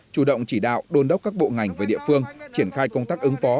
chủ động chỉ đạo đôn đốc các bộ ngành với địa phương triển khai công tác ứng phó